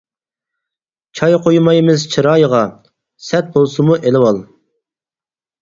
چاي قۇيمايمىز چىرايغا، سەت بولسىمۇ ئېلىۋال.